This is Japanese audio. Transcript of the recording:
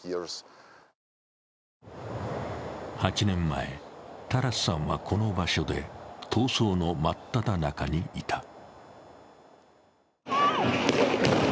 ８年前、タラスさんはこの場所で闘争の真っただ中にいた。